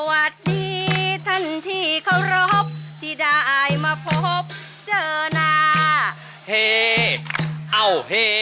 สวัสดีท่านที่เคารพที่ได้มาพบเจอหน้า